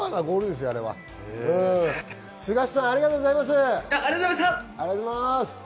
スガッシュ☆さん、ありがとうございます。